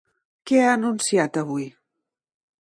Què ha anunciat avui?